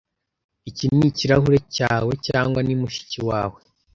Iki ni ikirahure cyawe cyangwa ni mushiki wawe?